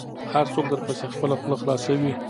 هر څوک درپسې خپله خوله خلاصوي .